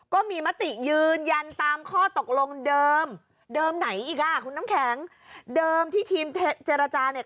ก็มีมติยืนยันตามข้อตกลงเดิมเดิมไหนอีกอ่ะคุณน้ำแข็งเดิมที่ทีมเจรจาเนี่ย